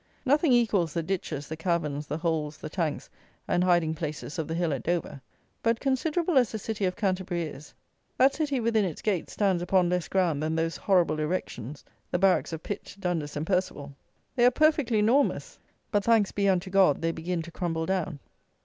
Nothing equals the ditches, the caverns, the holes, the tanks, and hiding places of the hill at Dover; but, considerable as the City of Canterbury is, that city within its gates stands upon less ground than those horrible erections, the barracks of Pitt, Dundas, and Perceval. They are perfectly enormous; but thanks be unto God, they begin to crumble down.